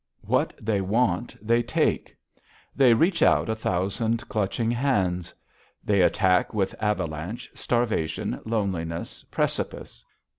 What they want, they take. They reach out a thousand clutching hands. They attack with avalanche, starvation, loneliness, precipice.